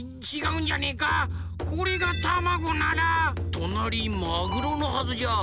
となりマグロのはずじゃ。